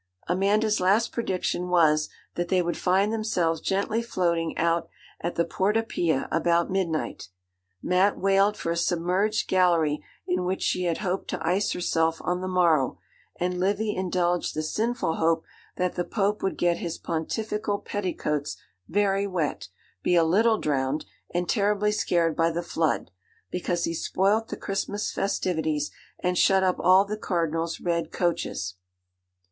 Amanda's last prediction was, that they would find themselves gently floating out at the Porta Pia about midnight. Mat wailed for a submerged gallery in which she had hoped to ice herself on the morrow, and Livy indulged the sinful hope that the Pope would get his pontifical petticoats very wet, be a little drowned, and terribly scared by the flood, because he spoilt the Christmas festivities, and shut up all the cardinals' red coaches.